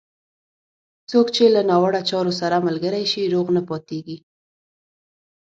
څوک چې له ناوړه چارو سره ملګری شي، روغ نه پاتېږي.